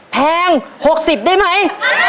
แพง๖๐ได้ไหม